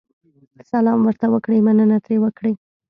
سلام ورته وکړئ، مننه ترې وکړئ.